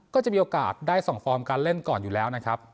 ก็จะมีโอกาสได้๒ฟอร์มการเล่นก่อนอยู่แล้วนะครับ